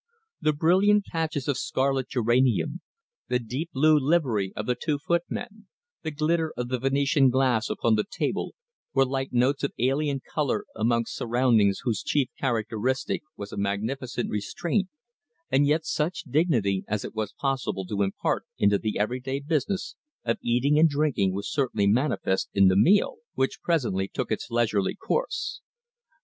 The brilliant patches of scarlet geranium, the deep blue livery of the two footmen, the glitter of the Venetian glass upon the table, were like notes of alien colour amongst surroundings whose chief characteristic was a magnificent restraint, and yet such dignity as it was possible to impart into the everyday business of eating and drinking was certainly manifest in the meal, which presently took its leisurely course.